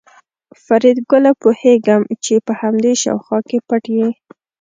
فریدګله پوهېږم چې په همدې شاوخوا کې پټ یې